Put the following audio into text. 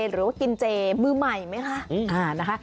หรือว่ากินเจมือใหม่ไหมคะ